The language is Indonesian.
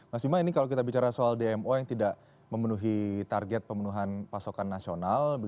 mas bima ini kalau kita bicara soal dmo yang tidak memenuhi target pemenuhan pasokan nasional